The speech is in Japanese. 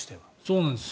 そうなんです。